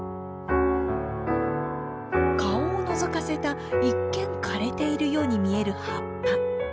顔をのぞかせた一見枯れているように見える葉っぱ。